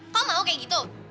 kamu mau kayak gitu